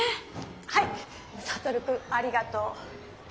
はいサトルくんありがとう。